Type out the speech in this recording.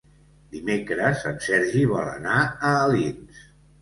Dimecres en Sergi vol anar a Alins.